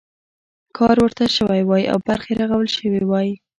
کار ورته شوی وای او برخې رغول شوي وای.